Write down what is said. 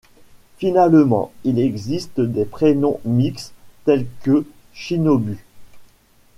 Finalement, il existe des prénoms mixtes, tel que Shinobu.